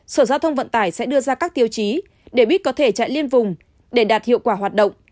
sở giao thông vận tải sẽ đưa ra các tiêu chí để biết có thể chạy liên vùng để đạt hiệu quả hoạt động